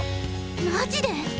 マジで？